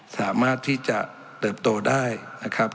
สามารถที่จะเติบโตได้นะครับ